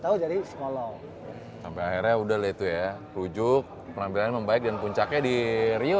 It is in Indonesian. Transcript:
tahu dari sekolah sampai akhirnya udah gitu ya rujuk penampilan membaik dan puncaknya di rio